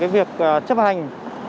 việc chấp hành